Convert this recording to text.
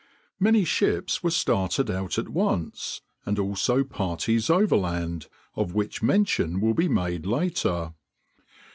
Many ships were started out at once, and also parties overland, of which mention will be made later.